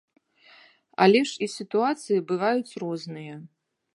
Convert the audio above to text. Але ж і сітуацыі бываюць розныя.